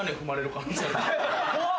怖っ！